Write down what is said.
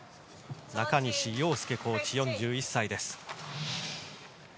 中西洋介コーチ、４１歳です。